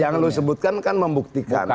yang lu sebutkan kan membuktikan